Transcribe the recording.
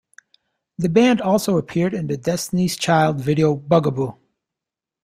The band also appeared in the Destiny's Child video "Bugaboo".